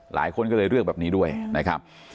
หลายคนก็เลยเลือกแบบนี้ด้วยนะครับ